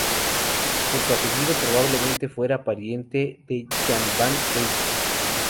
Por su apellido, probablemente fuera pariente de Jan van Eyck.